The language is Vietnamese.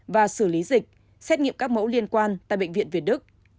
và xử lý dịch xét nghiệm các mẫu liên quan tại bệnh viện việt đức